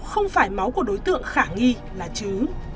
không phải máu của đối tượng khả nghi là chứ